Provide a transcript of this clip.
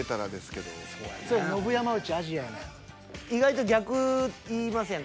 意外と逆言いますやん。